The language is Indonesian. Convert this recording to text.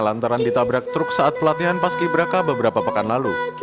lantaran ditabrak truk saat pelatihan paski braka beberapa pekan lalu